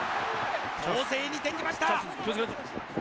攻勢に転じました。